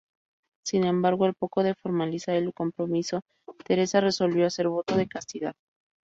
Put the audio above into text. Sin embargo, al poco de formalizar el compromiso, Teresa resolvió hacer voto de castidad.